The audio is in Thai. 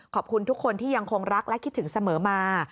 ขอบคุณทุกคนที่ยังคงรักและคิดถึงเสมอมา